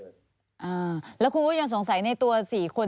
อ้าวแล้วคุณวุฒิยังสงสัยในตัว๔คน